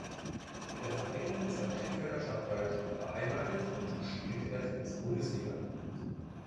Der Verein ist am Krefelder Stadtwald beheimatet und spielt in der Tennis-Bundesliga.